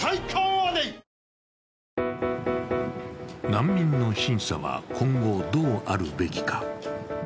難民の審査は今後、どうあるべきか。